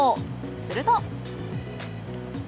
すると。